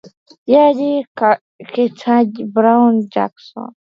jaji Ketanji Brown Jackson